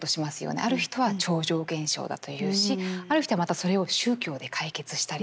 ある人は超常現象だと言うしある人はまたそれを宗教で解決したりする。